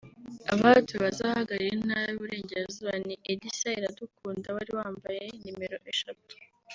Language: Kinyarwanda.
Abatowe bazahagararira Intara y’Uburengerazuba ni Elsa Iradukunda wari wambaye nimero eshatu